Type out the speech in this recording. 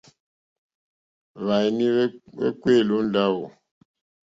Hwɛ́nɔ̀ní hwékpéélì ó ndáwò.